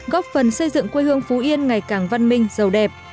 góp phần xây dựng quê hương phú yên ngày càng văn minh giàu đẹp